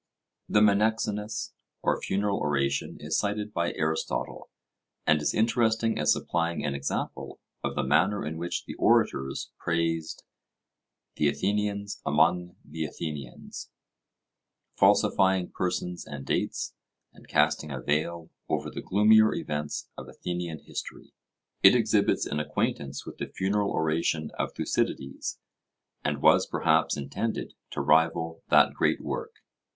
The Menexenus or Funeral Oration is cited by Aristotle, and is interesting as supplying an example of the manner in which the orators praised 'the Athenians among the Athenians,' falsifying persons and dates, and casting a veil over the gloomier events of Athenian history. It exhibits an acquaintance with the funeral oration of Thucydides, and was, perhaps, intended to rival that great work.